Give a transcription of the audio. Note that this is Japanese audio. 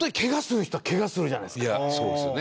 いやあそうですよね。